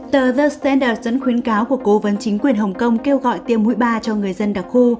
tờ jersenders dẫn khuyến cáo của cố vấn chính quyền hồng kông kêu gọi tiêm mũi ba cho người dân đặc khu